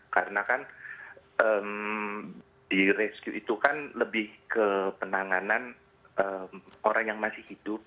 karena kan di rescue itu kan lebih ke penanganan orang yang masih hidup